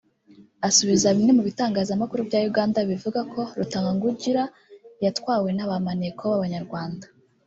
Asubiza bimwe mu bitangazamakuru bya Uganda bivuga ko Rutagungira yatwawe na ba maneko b’Abanyarwanda